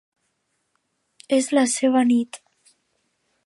És la seva nit.